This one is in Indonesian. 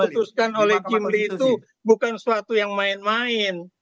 yang kita putuskan oleh kimber itu bukan sesuatu yang main main